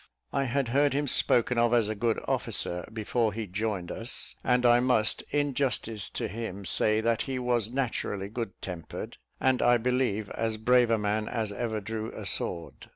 I had heard him spoken of as a good officer, before he joined us; and I must, in justice to him, say that he was naturally good tempered, and I believe as brave a man as ever drew a sword.